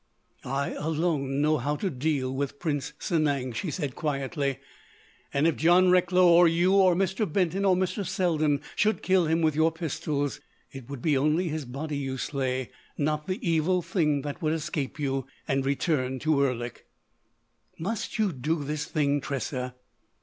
"I alone know how to deal with Prince Sanang," she said quietly. "And if John Recklow, or you, or Mr. Benton or Mr. Selden should kill him with your pistols, it would be only his body you slay, not the evil thing that would escape you and return to Erlik." "Must you do this thing, Tressa?"